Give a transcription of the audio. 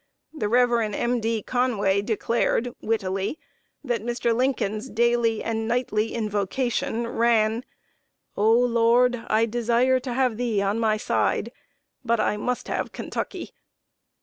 The Rev. M. D. Conway declared, wittily, that Mr. Lincoln's daily and nightly invocation ran: "O Lord, I desire to have Thee on my side, but I must have Kentucky!"